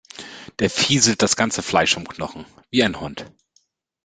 Der fieselt das ganze Fleisch vom Knochen, wie ein Hund.